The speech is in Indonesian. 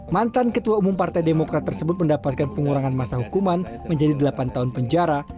mantan ketua umum partai demokrat tersebut mendapatkan pengurangan masa hukuman menjadi delapan tahun penjara